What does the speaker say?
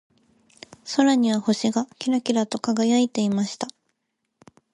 空には星がキラキラと輝いていました。